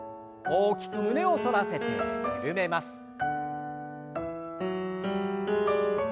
大きく胸を反らせて緩めます。